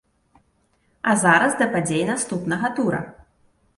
А зараз да падзей наступнага тура.